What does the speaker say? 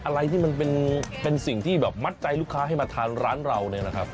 อะไรที่มันเป็นสิ่งที่แบบมัดใจลูกค้าให้มาทานร้านเราเนี่ยนะครับ